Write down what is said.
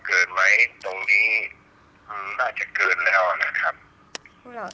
คุณพ่อได้จดหมายมาที่บ้าน